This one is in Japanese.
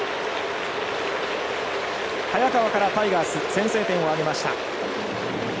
早川からタイガース先制点を挙げました。